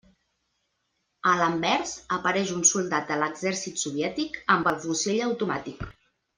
A l'anvers apareix un soldat de l'Exèrcit Soviètic amb el fusell automàtic.